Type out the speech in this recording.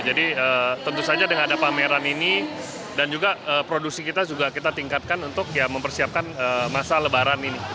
jadi tentu saja dengan ada pameran ini dan juga produksi kita juga kita tingkatkan untuk ya mempersiapkan masa lebaran ini